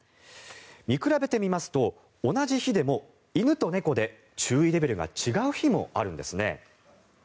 見比べてみますと同じ日でも犬と猫で注意レベルが違う日もあるんですね。